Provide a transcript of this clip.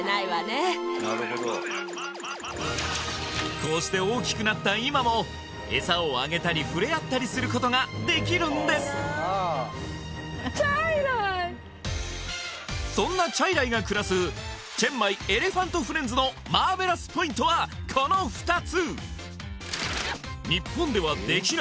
こうして大きくなった今もそんなチャイライが暮らすチェンマイエレファントフレンズのマーベラスポイントはこの２つ！